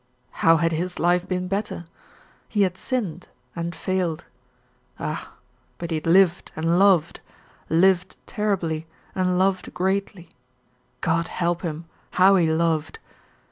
How had his life been better? He had sinned and failed. Ah! But he had lived and loved lived terribly and loved greatly. God help him, how he loved!